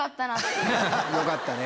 よかったね。